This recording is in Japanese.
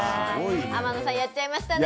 天野さんやっちゃいましたね。